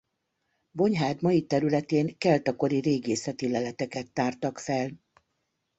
Bonyhád mai területén kelta kori régészeti leleteket tártak fel.